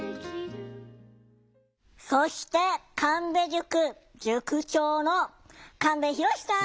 そして神戸塾塾長の神戸浩さん！